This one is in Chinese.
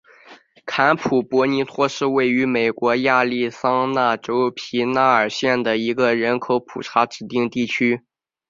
坎普博尼托是位于美国亚利桑那州皮纳尔县的一个人口普查指定地区。